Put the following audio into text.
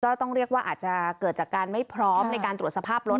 ต้องเรียกว่าอาจจะเกิดจากการไม่พร้อมในการตรวจสภาพรถ